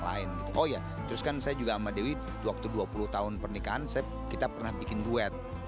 lain oh iya terus kan saya juga sama dewi waktu dua puluh tahun pernikahan kita pernah bikin duet